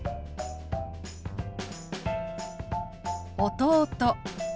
「弟」。